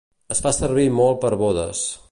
Es fa servir molt per bodes.